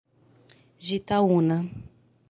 Jitaúna